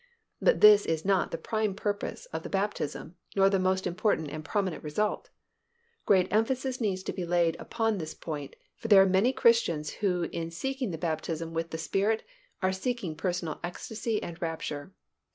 But this is not the prime purpose of the baptism nor the most important and prominent result. Great emphasis needs to be laid upon this point, for there are many Christians who in seeking the baptism with the Spirit are seeking personal ecstasy and rapture.